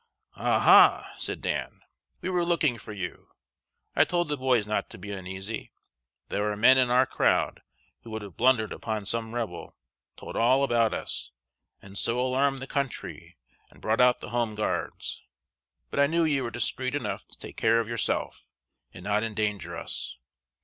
"Ah ha!" said Dan, "we were looking for you. I told the boys not to be uneasy. There are men in our crowd who would have blundered upon some Rebel, told all about us, and so alarmed the country and brought out the Home Guards; but I knew you were discreet enough to take care of yourself, and not endanger us.